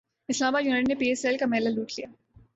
اسلام باد یونائٹیڈ نے P S L کا میلہ لوٹ لیا